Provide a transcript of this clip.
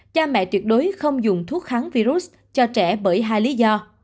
cha mẹ tuyệt đối không dùng thuốc kháng virus cho trẻ bởi hai lý do